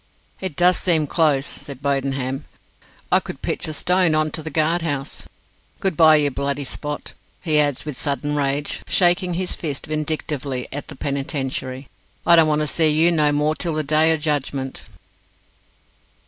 "It does seem close," said Bodenham; "I could pitch a stone on to the guard house. Good bye, you Bloody Spot!" he adds, with sudden rage, shaking his fist vindictively at the Penitentiary; "I don't want to see you no more till the Day o' Judgment."